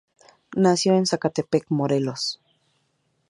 Nació en Zacatepec, Morelos.